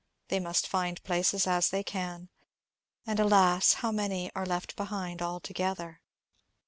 They must find places as they can. And alas, how many are left behind altogether